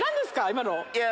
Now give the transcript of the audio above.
今の。